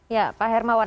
ya pak hermawan